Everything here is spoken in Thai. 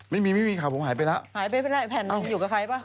ไม่มีข่าวผมหายไปแล้ว